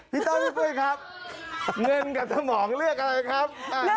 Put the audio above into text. พี่ต้อนรู้สึกครับเงินกับสมองเลือกอะไรครับ